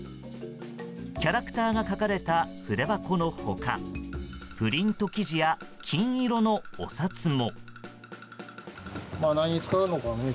キャラクターが描かれた筆箱の他プリント生地や金色のお札も。